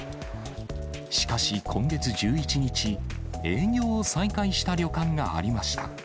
しかし今月１１日、営業を再開した旅館がありました。